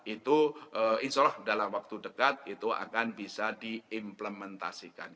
itu insya allah dalam waktu dekat itu akan bisa diimplementasikan